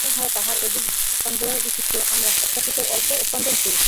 মনে কর, তাহারা অধিক স্পন্দনবিশিষ্ট ও আমরা অপেক্ষাকৃত অল্প স্পন্দনশীল।